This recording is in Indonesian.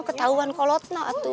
ketauan kolotna itu